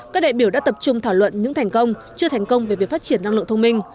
các đại biểu đã tập trung thảo luận những thành công chưa thành công về việc phát triển năng lượng thông minh